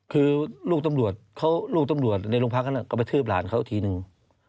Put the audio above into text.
คือลูกตำรวจในรุงพักก็ไปกระทืบหลานเขาอีกทีนึง